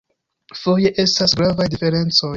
Foje estas gravaj diferencoj.